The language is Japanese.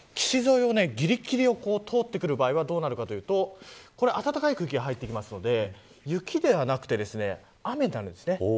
岸沿いをぎりぎりを通ってくる場合はどうなるかというと暖かい空気が入ってくるので雪ではなくて雨になるんです。